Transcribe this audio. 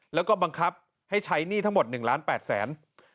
แล้วก็บังคับให้ใช้หนี้ทั้งหมด๑ล้าน๘แสน